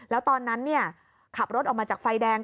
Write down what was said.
แล้วตอนนั้นขับรถออกมาจากไฟแดง